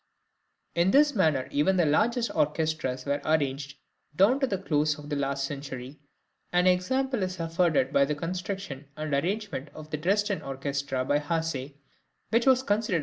In this manner even the largest orchestras were arranged down to the close of the last century; an example is afforded by the construction and arrangement of the Dresden orchestra by Hasse, which was considered as a model.